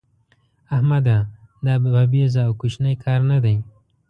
احمده! دا بابېزه او کوشنی کار نه دی.